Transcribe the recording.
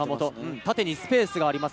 縦にスペースがあります。